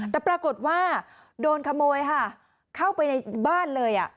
แต่ปรากฏว่าโดนขโมยค่ะเข้าไปในบ้านเลย